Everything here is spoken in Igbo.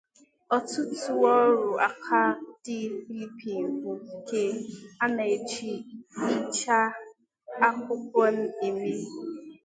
Ọtụtụ ọrụ aka ndị Philippine bu nke a na-eji ịcha akwụkwọ eme.